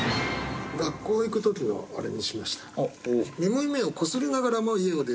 学校行く時のあれにしました。